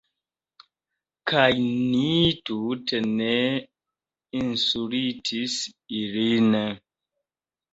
Kaj ni tute ne insultis ilin.